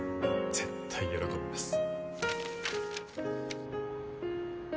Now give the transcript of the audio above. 絶対喜びます